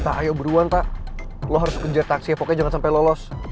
tak ayo beruan tak lo harus kejep taksi ya pokoknya jangan sampe lolos